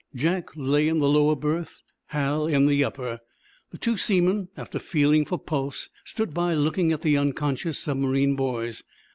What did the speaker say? Jack lay in the lower berth, Hal in the upper. The two seamen, after feeling for pulse, stood by looking at the unconscious submarine boys.